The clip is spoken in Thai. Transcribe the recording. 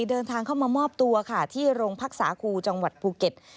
เดินทางเข้ามามอบตัวค่ะที่โรงพักษาครูจังหวัดภูเก็ต